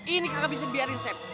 ini kagak bisa dibiarin step